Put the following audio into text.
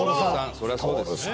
そりゃそうです。